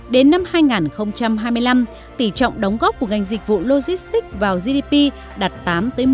đến năm hai nghìn hai mươi năm tỷ trọng đóng góp của ngành dịch vụ logistics vào gdp đạt tám một mươi